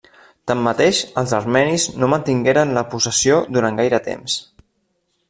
Tanmateix, els armenis no mantingueren la possessió durant gaire temps.